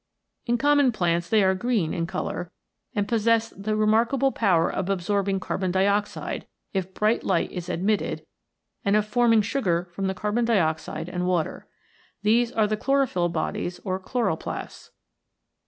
In common plants they are green in colour, and possess the remarkable power of absorbing carbon dioxide, if bright light is admitted, and of forming sugar from the carbon dioxide and water. These are the chlorophyll bodies or Chloroplasts.